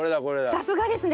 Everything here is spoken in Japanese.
さすがですね。